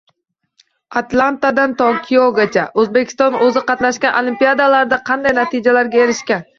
Atlantadan Tokiogacha. O‘zbekiston o‘zi qatnashgan Olimpiadalarda qanday natijalarga erishgan?